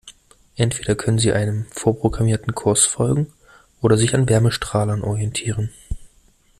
Entweder können sie einem vorprogrammierten Kurs folgen oder sich an Wärmestrahlern orientieren.